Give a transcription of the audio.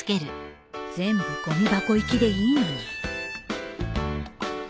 全部ごみ箱行きでいいのに